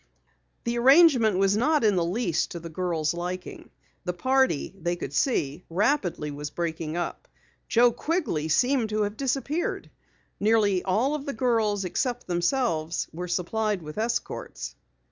The arrangement was not in the least to the girls' liking. The party, they could see, rapidly was breaking up. Joe Quigley seemed to have disappeared. Nearly all of the girls except themselves were supplied with escorts.